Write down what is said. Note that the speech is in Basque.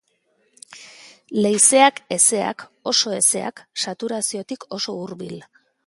Leizeak hezeak, oso hezeak, saturaziotik oso hurbil.